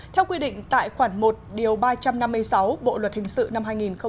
theo quy định tại khoản một ba trăm năm mươi sáu bộ luật hình sự năm hai nghìn một mươi năm